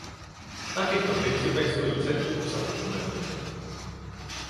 Na těchto principech stojí celý obsah dokumentu.